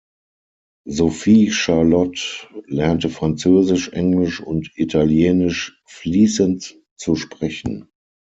Sophie Charlotte lernte Französisch, Englisch und Italienisch fließend zu sprechen.